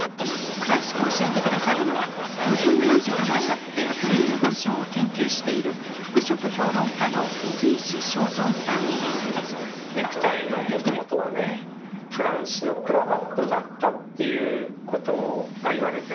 詳しく教えて下さるのは５０年以上にわたってメンズファッションを研究しているネクタイのもともとはねフランスのクラヴァットだったっていうことが言われてるんですね。